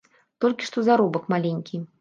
Толькі што заробак маленькі.